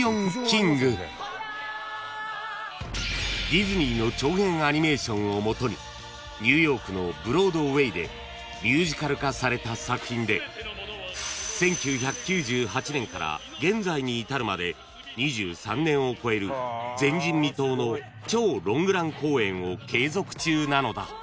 ［ディズニーの長編アニメーションをもとにニューヨークのブロードウェイでミュージカル化された作品で１９９８年から現在に至るまで２３年を超える前人未到の超ロングラン公演を継続中なのだ］